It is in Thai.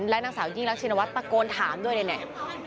และนักสาวยิ่งรักชินวัฒน์ประโกนถามด้วยด้วยแหละ